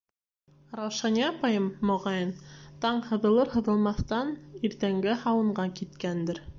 Раушания апайым, моғайын, таң һыҙылыр-һыҙылмаҫтан иртәнге һауынға киткәндер.